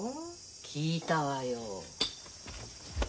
聞いたわよ。